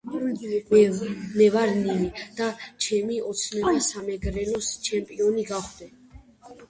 მე ვარ ნინი და ჩემი ოცნებაა სამეგრელოს ჩემპიონი გავხდე